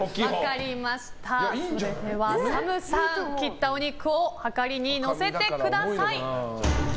ＳＡＭさん、切ったお肉をはかりに乗せてください。